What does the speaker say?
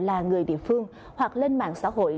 là người địa phương hoặc lên mạng xã hội